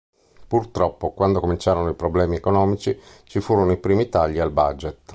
Purtroppo, quando cominciarono i problemi economici, ci furono i primi tagli al budget.